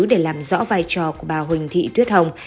để làm rõ vai trò của bà huỳnh thị tuyết hồng